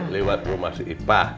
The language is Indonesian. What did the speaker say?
lewat rumah si ipa